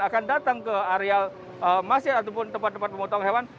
akan datang ke areal masjid ataupun tempat tempat pemotongan hewan